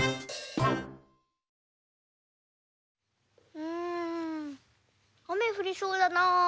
うんあめふりそうだな。